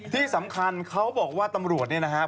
ที่สำคัญเขาบอกว่าตำรวจเนี่ยนะครับ